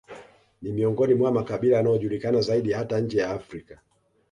Ni miongoni mwa makabila yanayojulikana zaidi hata nje ya Afrika